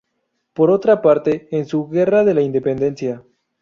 Por otra parte, en su "Guerra de la Independencia.